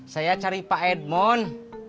saya cari pak edmond